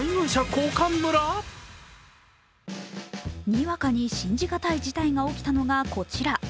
にわかに信じたがたい事態が起きたのがこちら。